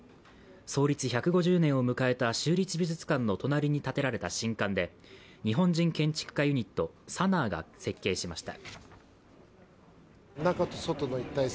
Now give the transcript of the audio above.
創立１５０年を迎えた州立美術館の隣に建てられた新館で日本人建築家ユニットＳＡＮＡＡが設計しました。